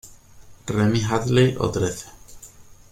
Remy Hadley o "Trece".